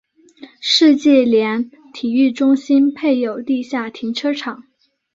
世纪莲体育中心配有地下停车场。